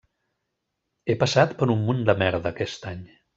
He passat per un munt de merda aquest any.